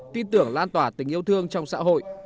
tin tưởng lan tỏa tình yêu thương trong xã hội